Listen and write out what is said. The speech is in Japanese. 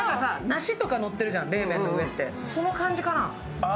梨とかのってるじゃん、冷麺って、そんな感じかな？